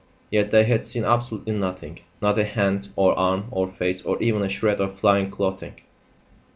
Yet they had seen absolutely nothing not a hand, or arm, or face, or even a shred of flying clothing.